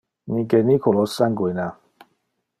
Mi geniculo sanguina.